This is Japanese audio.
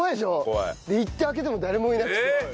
行って開けても誰もいなくて。